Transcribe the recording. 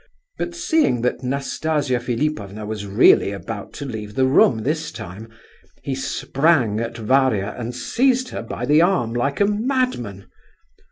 But seeing that Nastasia Philipovna was really about to leave the room this time, he sprang at Varia and seized her by the arm like a madman.